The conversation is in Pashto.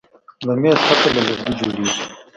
د میز سطحه له لرګي جوړیږي.